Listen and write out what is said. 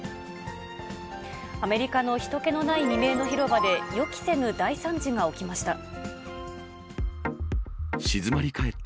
アメリカのひと気のない未明の広場で予期せぬ大惨事が起きました。